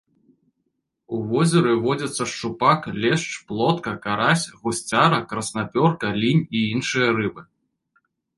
У возеры водзяцца шчупак, лешч, плотка, карась, гусцяра, краснапёрка, лінь і іншыя рыбы.